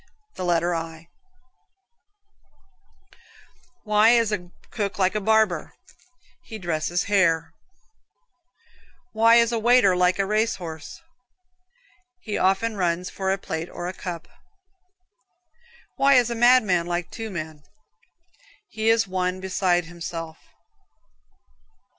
The letter I. Why is a cook like a barber? He dresses hare (hair). Why is a waiter like a race horse? He often runs for a plate or a cup. Why is a madman like two men? He is one beside himself.